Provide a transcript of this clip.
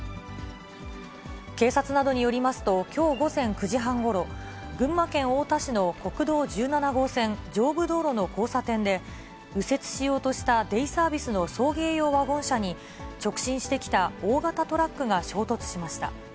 警察などによりますと、きょう午前９時半ごろ、群馬県太田市の国道１７号線上武道路の交差点で、右折しようとしたデイサービスの送迎用ワゴン車に、直進してきた大型トラックが衝突しました。